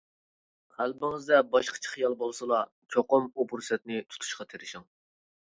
قەلبىڭىزدە باشقىچە خىيال بولسىلا، چوقۇم ئۇ پۇرسەتنى تۇتۇشقا تىرىشىڭ.